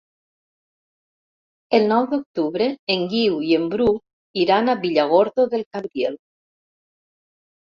El nou d'octubre en Guiu i en Bru iran a Villargordo del Cabriel.